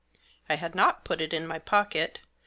I had not put it in my pocket.